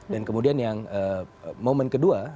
dan kemudian yang momen kedua